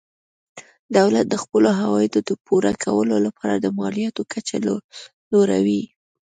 دولت د خپلو عوایدو د پوره کولو لپاره د مالیاتو کچه لوړوي.